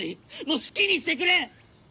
もう好きにしてくれ‼